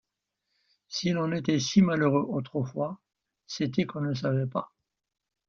Si l’on était si malheureux autrefois, c’était qu’on ne savait pas.